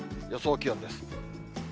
予想気温です。